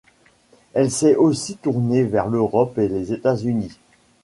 Elle s'est aussi tournée vers l'Europe et les États-Unis.